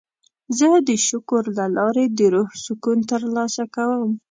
زه د شکر له لارې د روح سکون ترلاسه کوم.